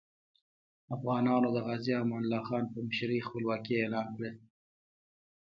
افغانانو د غازي امان الله خان په مشرۍ خپلواکي اعلان کړه.